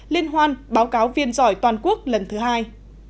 liên hoan báo cáo viên giỏi toàn quốc lần thứ hai